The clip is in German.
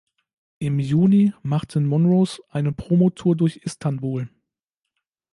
Im Juni machten Monrose eine Promotour durch Istanbul.